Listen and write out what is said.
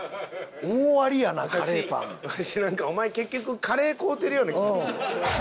わしなんかお前結局カレー買うてるような気するわ。